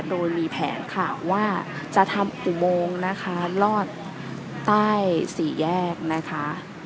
โดยมีแผนข่าวว่าจะทำอุโมงนะคะรอดใต้สี่แยกนะคะ